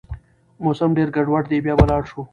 موسم ډېر ګډوډ دی، بيا به لاړ شو